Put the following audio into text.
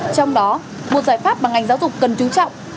trong đó một giải pháp bằng ngành giáo dục cần trú trọng